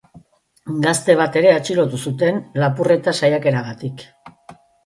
Gazte bat ere atxilotu zuten, lapurreta saiakeragatik.